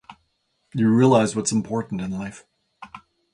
You realise what's important in life.